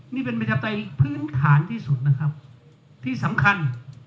นี่เป็นประชาปไตยพื้นฐานที่สุดนะครับที่สำคัญ